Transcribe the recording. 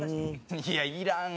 いやいらん。